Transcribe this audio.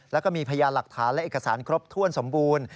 แล้วก็มีพยานหลักฐานและเอกสารครบถ้วนสมบูรณ์